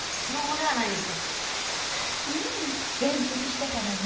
うん元服したからね。